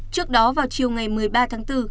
trước đó vào chiều ngày một mươi ba tháng bốn